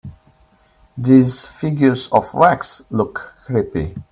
These figures of wax look creepy.